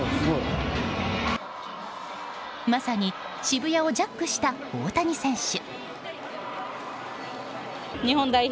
まさに、渋谷をジャックした大谷選手。